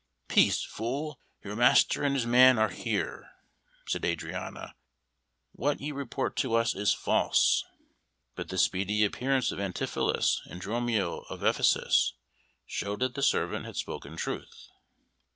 "Peace, fool! Your master and his man are here," said Adriana. "What you report to us is false." But the speedy appearance of Antipholus and Dromio of Ephesus showed that the servant had spoken truth.